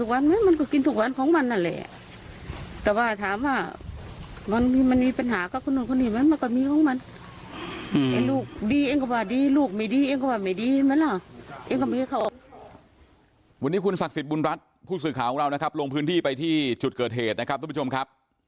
วันนี้คุณศักดิ์สิทธิ์บุญรัฐผู้สื่อข่าวของเรานะครับลงพื้นที่ไปที่จุดเกิดเหตุนะครับทุกผู้ชมครับ